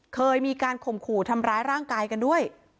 เคยมีการข่มขู่ทำร้ายร่างกายกันด้วย